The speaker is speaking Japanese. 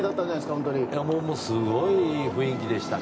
すごいいい雰囲気でした。